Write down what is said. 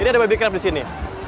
ini ada baby club di sini